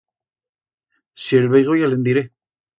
Si el veigo ya le'n diré.